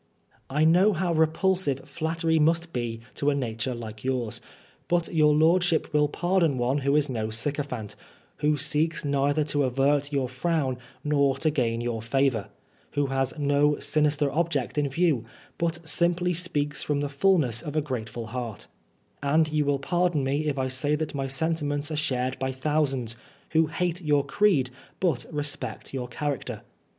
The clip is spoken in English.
" I know how repulsive flattery must be to a nature like yours, but your lordship will pardon one who is no sycophant, who seeks neither to avert your frown nor to gain your favor, who has no sinister object in view, but sim^dy speaks from the THE THIRD TRIAL. 161 falness of a grateful heart And yoa will pardon me if I say that my sentiments are shared by thousands, who hate your creed but respect your character.